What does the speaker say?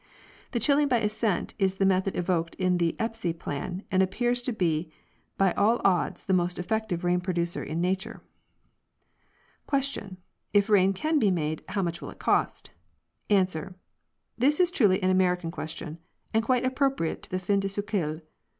The chilling by ascent is the method evoked in the Espy plan and appears to be by all odds the most effective rain producer in nature. Q. If rain can be made, how much will it cost? A. This is truly an American question, and quite appropriate to the fin de siecle.